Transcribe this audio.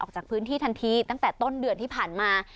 ออกจากพื้นที่ทันทีตั้งแต่ต้นเดือนที่ผ่านมา